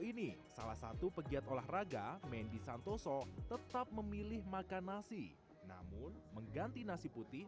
ini salah satu pegiat olahraga mendy santoso tetap memilih makan nasi namun mengganti nasi putih